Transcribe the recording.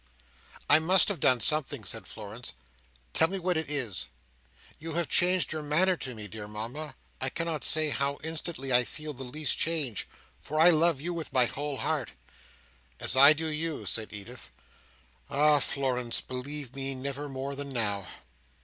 "I must have done something," said Florence. "Tell me what it is. You have changed your manner to me, dear Mama. I cannot say how instantly I feel the least change; for I love you with my whole heart." "As I do you," said Edith. "Ah, Florence, believe me never more than now!"